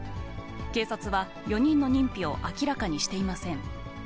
警察は４人の認否を明らかにしていません。